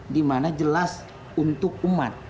dimana jelas untuk umat